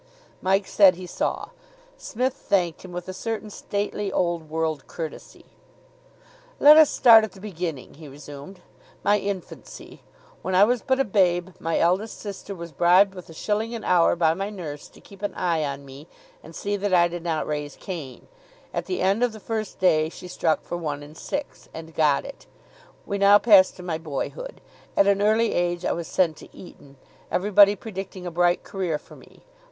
Mike said he saw. Psmith thanked him with a certain stately old world courtesy. "Let us start at the beginning," he resumed. "My infancy. When I was but a babe, my eldest sister was bribed with a shilling an hour by my nurse to keep an eye on me, and see that I did not raise Cain. At the end of the first day she struck for one and six, and got it. We now pass to my boyhood. At an early age, I was sent to Eton, everybody predicting a bright career for me.